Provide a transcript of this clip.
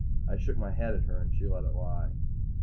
I shook my head at her and she let it lie.